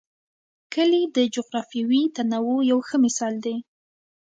کلي د جغرافیوي تنوع یو ښه مثال دی.